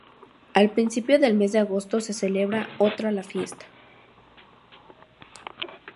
A principios del mes de agosto se celebra otra la fiesta.